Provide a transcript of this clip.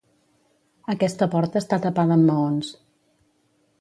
Aquesta porta està tapada amb maons.